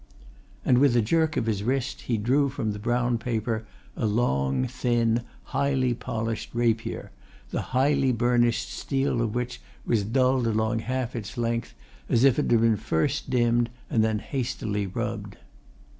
And with a jerk of his wrist he drew from the brown paper a long, thin, highly polished rapier, the highly burnished steel of which was dulled along half its length, as if it had been first dimmed and then hastily rubbed.